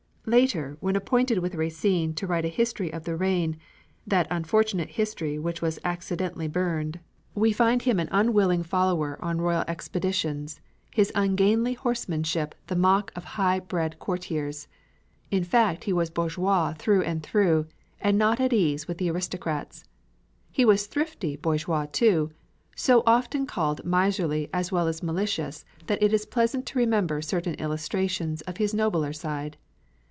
Later, when appointed with Racine to write a history of the reign, that unfortunate history which was accidentally burned, we find him an unwilling follower on royal expeditions, his ungainly horsemanship the mock of high bred courtiers. In fact, he was bourgeois through and through, and not at ease with the aristocrats. He was thrifty bourgeois too; so often called miserly as well as malicious that it is pleasant to remember certain illustrations of his nobler side.